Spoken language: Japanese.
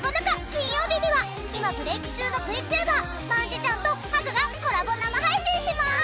金曜日には今ブレーク中のＶＴｕｂｅｒ卍ちゃん。とハグがコラボ生配信します！